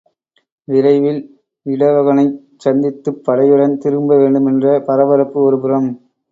விரைவில் இடவகனைச் சந்தித்துப் படையுடன் திரும்ப வேண்டுமென்ற பரபரப்பு ஒருபுறம்.